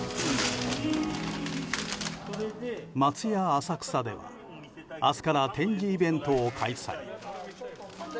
松屋浅草では明日から展示イベントを開催。